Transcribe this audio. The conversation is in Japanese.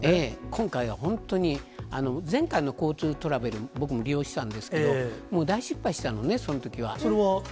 今回は本当に、前回のＧｏＴｏトラベル、僕も利用したんですけど、大失敗それは？